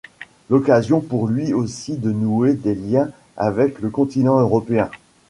L'occasion pour lui aussi de nouer des liens avec le continent européen.